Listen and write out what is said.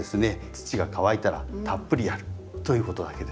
土が乾いたらたっぷりやるということだけです。